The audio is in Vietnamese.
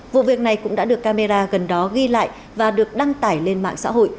vụ việc này cũng đã được camera gần đó ghi lại và được đăng tải lên mạng xã hội